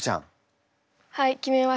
はい決めました。